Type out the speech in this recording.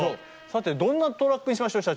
さてどんなトラックにしましょう？